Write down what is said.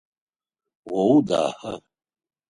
О удаха?